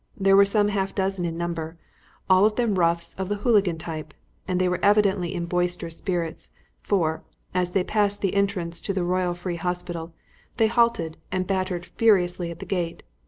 They were some half dozen in number, all of them roughs of the hooligan type, and they were evidently in boisterous spirits, for, as they passed the entrance to the Royal Free Hospital, they halted and battered furiously at the gate.